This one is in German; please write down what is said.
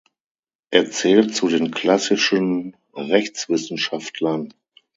Er zählt zu den klassischen Rechtswissenschaftlern.